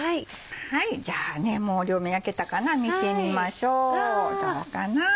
じゃあもう両面焼けたかな見てみましょうどうかな？